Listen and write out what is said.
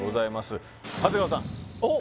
おっ長谷川さん？